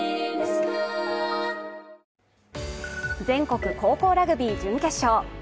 全国高校ラグビー準決勝。